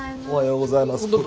おはようございます。